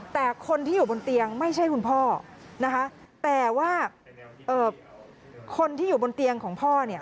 แต่คนที่อยู่บนเตียงไม่ใช่คุณพ่อนะคะแต่ว่าเอ่อคนที่อยู่บนเตียงของพ่อเนี่ย